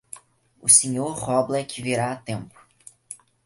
O Sr. Roblek virá a tempo.